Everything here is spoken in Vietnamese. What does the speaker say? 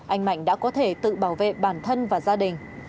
anh mạnh đã có thể tự bảo vệ bản thân và gia đình